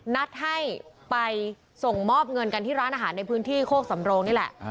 นัดให้ไปส่งมอบเงินกันที่ร้านอาหารในพื้นที่โคกสำโรงนี่แหละ